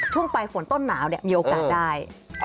ช่วงปลายฝนต้นหนาวมีโอกาสได้